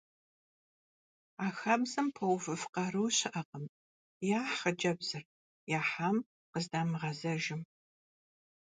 А хабзэм пэувыф къару щыӏэкъым — яхь хъыджэбзыр, яхьам къыздамыгъэзэжым…